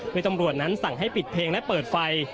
โดยตำรวจนั้นสั่งให้ปิดเพลงและเปิดไฟ